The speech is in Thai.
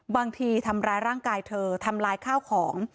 ทำร้ายร่างกายเธอทำร้ายข้าวของ